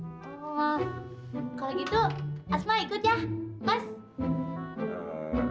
oh kalau gitu asma ikut ya